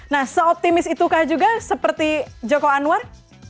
nah seoptimis itukah juga seperti joko anwar